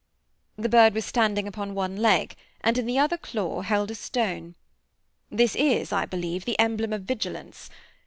The bird was standing upon one leg, and in the other claw held a stone. This is, I believe, the emblem of vigilance.